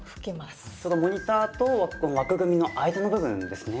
そのモニターと枠組みの間の部分ですね。